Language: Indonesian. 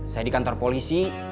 saya di kantor polisi